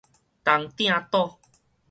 東碇島